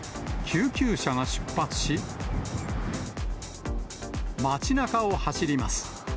救急車が出発し、街なかを走ります。